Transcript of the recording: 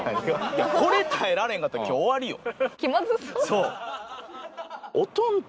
これ耐えられへんかったら今日終わりよ。